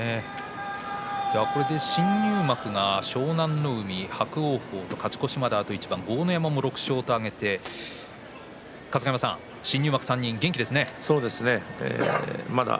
これで新入幕は湘南乃海、伯桜鵬と勝ち越しまであと一番豪ノ山もあと１勝として春日山さん３人、元気ですね。